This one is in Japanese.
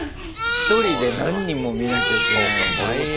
１人で何人も見なきゃいけないの大変。